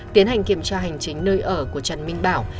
tiến hành kiểm tra hành chính nơi ở của trần minh bảo